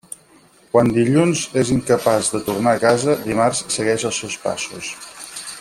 Quan Dilluns és incapaç de tornar a casa, Dimarts segueix els seus passos.